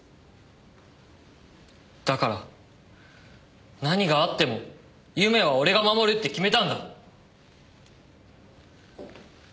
だから何があっても祐芽は俺が守るって決めたんだ！